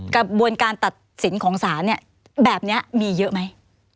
กระบวนการตัดสินของศาลเนี่ยแบบนี้มีเยอะไหม